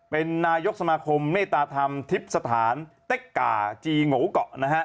เป็นนายกสมาคมเมตตาธรรมทิพย์สถานเต็กก่าจีโงเกาะนะฮะ